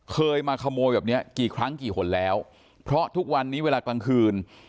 เคยมาขโมยแบบเนี้ยกี่ครั้งกี่หนแล้วเพราะทุกวันนี้เวลากลางคืน